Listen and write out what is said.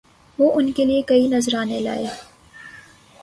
وہ ان کے لیے کئی نذرانے لائے